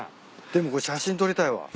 でもこれ写真撮りたいわ。